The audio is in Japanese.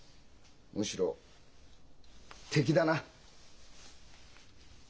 むしろ敵だな。